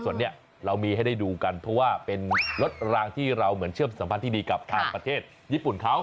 ส่วนนี้เรามีให้ได้ดูกันเพราะว่าเป็นรถรางที่เราเหมือนเชื่อมสัมพันธ์ที่ดีกับทางประเทศญี่ปุ่นเขา